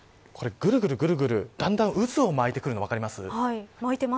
ぐるぐるぐるぐる、だんだん渦を巻いてくるのが分かります。